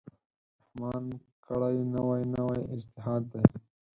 رحمان کړی، نوی نوی اجتهاد دی